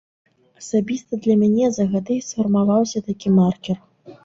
Асабіста для мяне за гады сфармаваўся такі маркер.